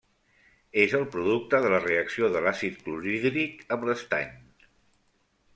És el producte de la reacció de l'àcid clorhídric amb l'estany.